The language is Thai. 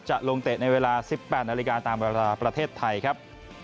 จะลงเตะในเวลา๑๘นาฬิกาตามเวลาประเทศไทยครับ